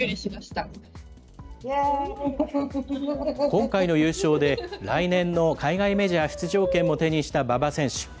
今回の優勝で、来年の海外メジャー出場権も手にした馬場選手。